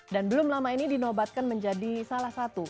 dan belum lama ini dinobatkan menjadi salah satu